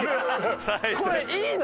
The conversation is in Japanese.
これいいの？